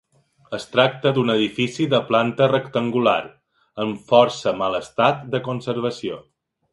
Es tracta d'un edifici de planta rectangular, en força mal estat de conservació.